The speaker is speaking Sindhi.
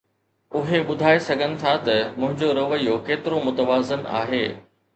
اهي ٻڌائي سگهن ٿا ته منهنجو رويو ڪيترو متوازن آهي.